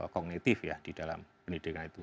kognitif ya di dalam pendidikan itu